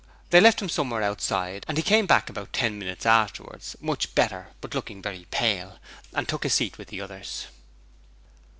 They left him somewhere outside and he came back again about ten minutes afterwards, much better but looking rather pale, and took his seat with the others.